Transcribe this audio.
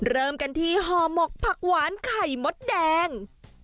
เริ่มกันที่ห่อหมกผักหวานไข่มดแดง